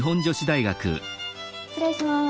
失礼します。